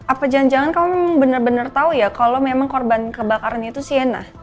apa jangan jangan kamu bener bener tau ya kalau memang korban kebakaran itu sienna